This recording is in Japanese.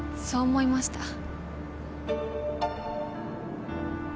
そう思いました。